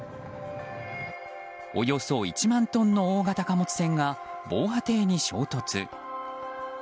およそ１万トンの大型貨物船が防波堤に衝突。